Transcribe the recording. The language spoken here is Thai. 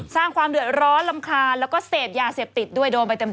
สร้างความเดือดร้อนรำคาญแล้วก็เสพยาเสพติดด้วยโดนไปเต็ม